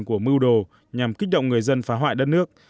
của mưu đồ nhằm kích động người dân phá hoại đất nước